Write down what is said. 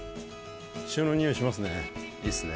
潮のにおいしますね。